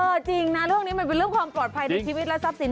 จริงนะเรื่องนี้มันเป็นเรื่องความปลอดภัยในชีวิตและทรัพย์สิน